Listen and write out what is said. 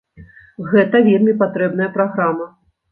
Гэта вельмі патрэбная праграма.